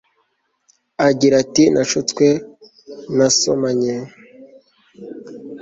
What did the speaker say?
agira ati nashutswe ntasomanye